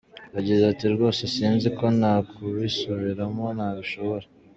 Yagize ati “ Rwose sinzi ko no kubisubiramo nabishobora.